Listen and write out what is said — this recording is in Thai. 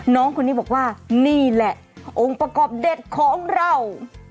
น้องคนนี้บอกว่านี่แหละองค์ประกอบเด็ดของเรา